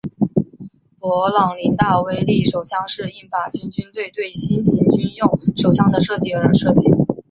勃朗宁大威力手枪是应法国军队对新型军用手枪的要求而设计的。